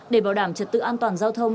để bảo đảm trật tự an toàn giao thông